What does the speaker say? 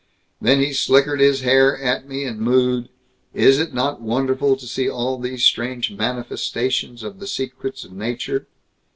Then he slickered his hair at me, and mooed, 'Is it not wonderful to see all these strange manifestations of the secrets of Nature!'